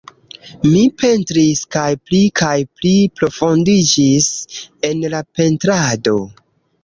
Mi pentris kaj pli kaj pli profundiĝis en la pentrado.